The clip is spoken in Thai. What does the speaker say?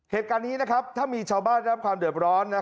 เหตุการณ์นี้นะครับถ้ามีชาวบ้านรับความเดิมร้อน